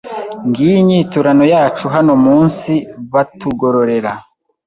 Ngiyo inyiturano yacu hano mu nsi batugororera